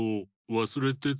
わすれてた。